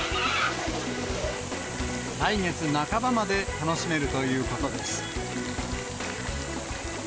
来月半ばまで楽しめるということです。